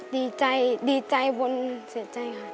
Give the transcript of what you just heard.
ดีใจดีใจวนเสียใจค่ะ